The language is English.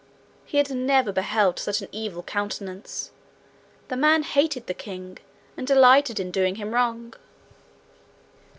He had never beheld such an evil countenance: the man hated the king, and delighted in doing him wrong.